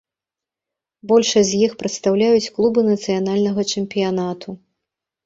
Большасць з іх прадстаўляюць клубы нацыянальнага чэмпіянату.